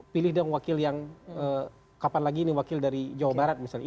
pilih dong wakil yang kapan lagi ini wakil dari jawa barat misalnya